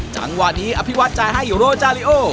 จังหวะนี้อภิวัตรจ่ายให้โรจาริโอ